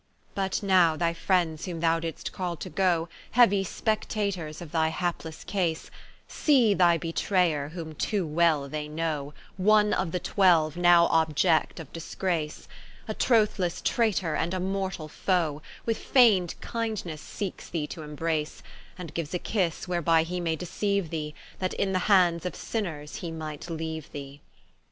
But now thy friends whom thou didst call to goe, Heauy Spectators of thy haplesse case, See thy Betrayer, whom too well they knowe, One of the twelue, now object of disgrace, A trothlesse traytor, and a mortall foe, With fained kindnesse seekes thee to imbrace; And giues a kisse, whereby he may deceiue thee, That in the hands of Sinners he might leaue thee.